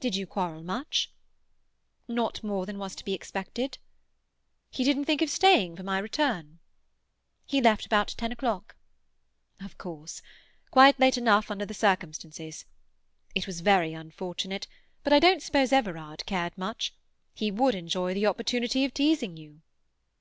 "Did you quarrel much?" "Not more than was to be expected." "He didn't think of staying for my return?" "He left about ten o'clock." "Of course. Quite late enough, under the circumstances. It was very unfortunate, but I don't suppose Everard cared much. He would enjoy the opportunity of teasing you."